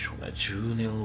１０年後。